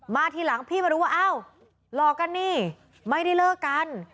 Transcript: ทีหลังพี่มารู้ว่าอ้าวหลอกกันนี่ไม่ได้เลิกกัน